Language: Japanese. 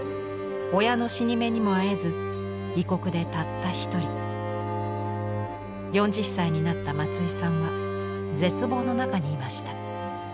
親の死に目にもあえず異国でたった一人４０歳になった松井さんは絶望の中にいました。